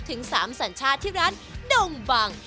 ถึง๓สัญชาติที่ร้านดมบัง